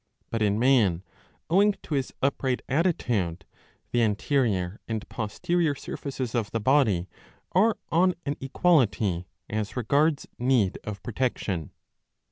But in man, owing to his upright attitude, the anterior and posterior surfaces of the body are on an equality as regards need of protection.